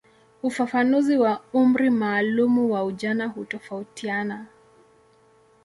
Ufafanuzi wa umri maalumu wa ujana hutofautiana.